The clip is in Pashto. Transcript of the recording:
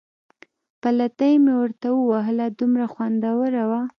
پلتۍ مې ورته ووهله، دومره خوندوره وه.